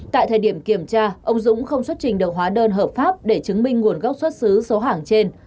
tại thời điểm kiểm tra ông dũng không xuất trình được hóa đơn hợp pháp để chứng minh nguồn gốc xuất xứ số hàng trên